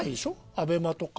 ＡＢＥＭＡとか。